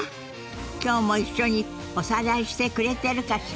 今日も一緒におさらいしてくれてるかしら？